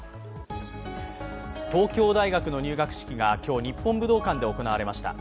東京大学の入学式が今日日本武道館で行われました。